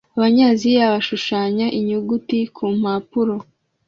Abanyaziya bashushanya inyuguti kumpapuro